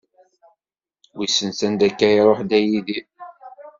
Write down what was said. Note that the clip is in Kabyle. Wissen sanda akka i iṛuḥ Dda Yidir.